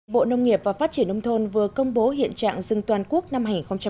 bộ nông nghiệp và phát triển nông thôn vừa công bố hiện trạng rừng toàn quốc năm hai nghìn hai mươi